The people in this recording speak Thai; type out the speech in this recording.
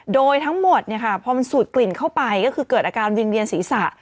โดยทั้งหมดพอมันสูดกลิ่นเข้าไปก็คือเกิดอาการวิงเวียนศีรษะ